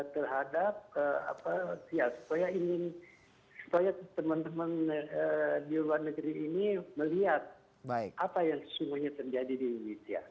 terhadap supaya teman teman di luar negeri ini melihat apa yang sesungguhnya terjadi di indonesia